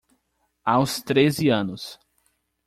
Aos treze anos